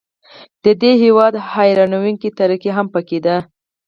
د دې هیواد حیرانوونکې ترقي هم پکې ده.